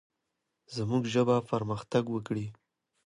زموږ ژبه پرمختګ وکړي.